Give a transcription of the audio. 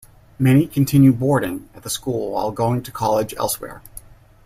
Many continue boarding at the school while going to college elsewhere.